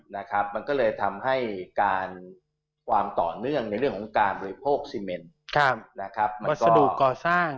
นะครับมันก็เลยทำให้การความต่อเนื่องในเรื่องของการบริโภคซีเมนวัสดุก่อสร้าง